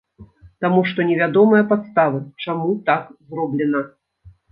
Таму што невядомыя падставы, чаму так зроблена.